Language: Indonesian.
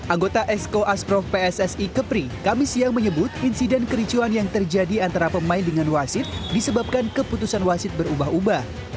anggota esko asprof pssi kepri kamis yang menyebut insiden kericuan yang terjadi antara pemain dengan wasit disebabkan keputusan wasit berubah ubah